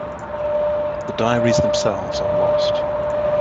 The diaries themselves are lost.